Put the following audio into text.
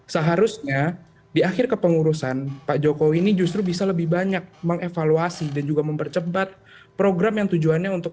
seharusnya di akhir kepengurusan pak jokowi ini justru bisa lebih banyak mengevaluasi dan juga mempercepat program yang tujuannya untuk